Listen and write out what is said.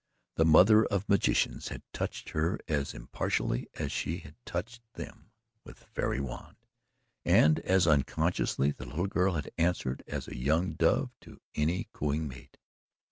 The Mother of Magicians had touched her as impartially as she had touched them with fairy wand, and as unconsciously the little girl had answered as a young dove to any cooing mate.